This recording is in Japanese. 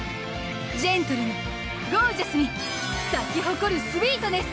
ジェントルにゴージャスに咲き誇るスウィートネス！